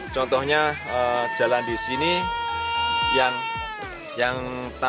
contohnya jalan di sini yang kali ini sudah rusak